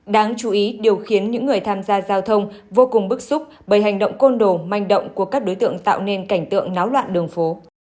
đáng chú ý điều khiến những người tham gia giao thông vô cùng bức xúc bởi hành động côn đồ manh động của các đối tượng tạo nên cảnh tượng náo loạn đường phố